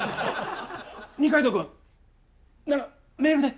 二階堂君ならメールで。